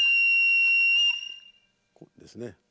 こうですね。